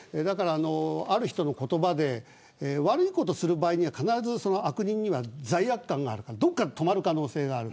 ある人の言葉で悪いことをする場合には必ず悪人には罪悪感があるからどこかで止まる可能性がある。